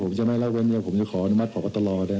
ผมจะไม่รับเว้นเวียวผมจะขออนุมัติพบตลอดนะ